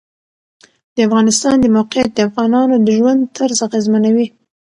د افغانستان د موقعیت د افغانانو د ژوند طرز اغېزمنوي.